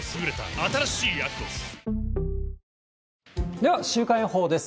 では、週間予報です。